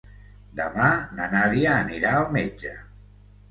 Demà na Nàdia anirà al metge.